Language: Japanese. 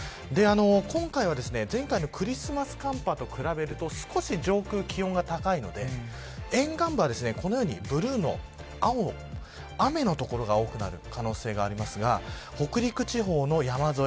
今回は、前回のクリスマス寒波と比べると少し上空、気温が高いので沿岸部は、このようにブルーの、雨の所が多くなる可能性がありますが北陸地方の山沿い